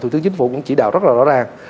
thủ tướng chính phủ cũng chỉ đạo rất là rõ ràng